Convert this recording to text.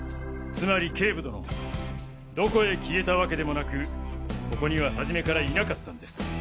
つまり警部殿どこへ消えたわけでもなくここには初めからいなかったんです。